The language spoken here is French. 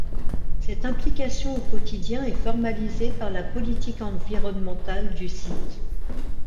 Cette implication au quotidien est formalisée par la politique environnementale du site.